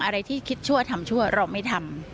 อะไรที่คิดชั่วทำชั่วเราไม่ทำ